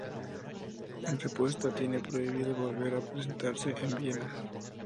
En respuesta, tiene prohibido volver a presentarse en Viena.